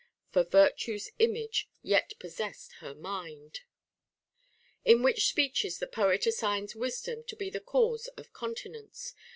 For virtue's image yet possessed her mind :| in which speeches the poet assigns wisdom to be the cause of continence.